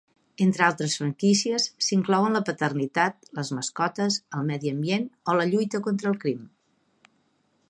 Entre altres franquícies s'inclouen la paternitat, les mascotes, el medi ambient o la lluita contra el crim.